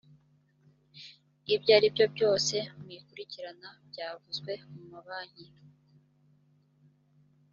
ibyo aribyo byose mu ikurikirana byavuzwe mu ma banki